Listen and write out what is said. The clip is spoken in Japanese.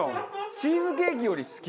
チーズケーキより好き？